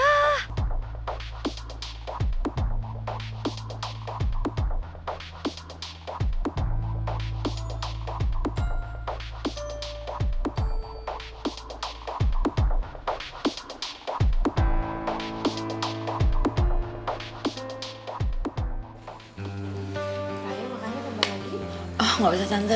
ya makanya temen temen